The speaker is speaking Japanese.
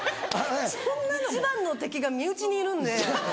一番の敵が身内にいるんで。